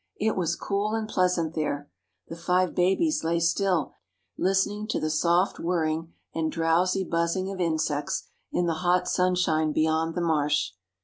It was cool and pleasant there. The five babies lay still, listening to the soft whirring and drowsy buzzing of insects, in the hot sunshine beyond the marsh.